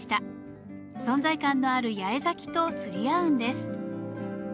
存在感のある八重咲きと釣り合うんです。